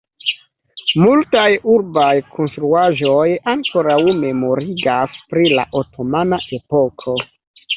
Multaj urbaj konstruaĵoj ankoraŭ memorigas pri la otomana epoko.